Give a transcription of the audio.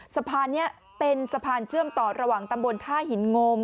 สะพานนี้เป็นสะพานเชื่อมต่อระหว่างตำบลท่าหินงม